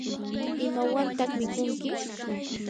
¿imawantaq mikunki?